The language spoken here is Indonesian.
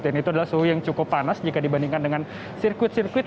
dan itu adalah suhu yang cukup panas jika dibandingkan dengan sirkuit sirkuit